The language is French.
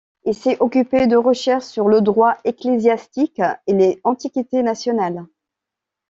Il s'est occupé de recherches sur le droit ecclésiastique et les antiquités nationales.